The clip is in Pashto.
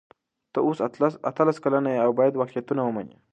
ته اوس اتلس کلنه یې او باید واقعیتونه ومنې.